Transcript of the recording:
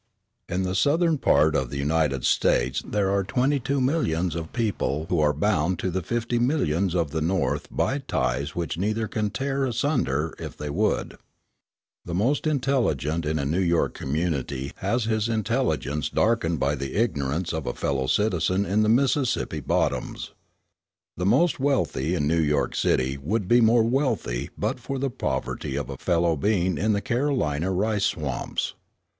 In the Southern part of the United States there are twenty two millions of people who are bound to the fifty millions of the North by ties which neither can tear asunder if they would. The most intelligent in a New York community has his intelligence darkened by the ignorance of a fellow citizen in the Mississippi bottoms. The most wealthy in New York City would be more wealthy but for the poverty of a fellow being in the Carolina rice swamps.